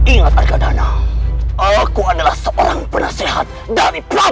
ingat pekan danau aku adalah seorang penasehat dari